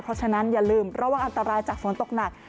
เพราะฉะนั้นอย่าลืมระวังอันตรายจากฝนตกหนัก